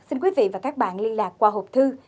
xin quý vị và các bạn liên lạc qua hộp thư